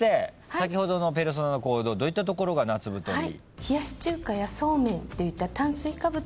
先ほどのペルソナの行動どういったところが夏太り。